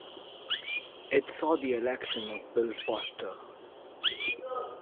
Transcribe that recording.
It saw the election of Bill Foster.